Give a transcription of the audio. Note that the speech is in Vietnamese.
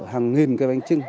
hàng nghìn cái bánh trưng